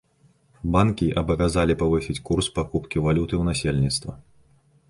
Банкі абавязалі павысіць курс пакупкі валюты ў насельніцтва.